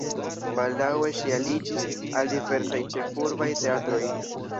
Baldaŭe ŝi aliĝis al diversaj ĉefurbaj teatroj.